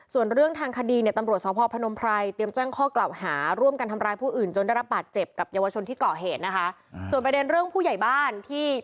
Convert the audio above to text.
ส่วนเรื่องทางคดีเนี่ยตำรวจสภพพนมพลัยเตรียมจ้างข้อกล่าวหาร่วมกันทำร้ายผู้อื่น